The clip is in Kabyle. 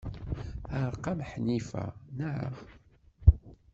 Teɛreq-am Ḥnifa, naɣ?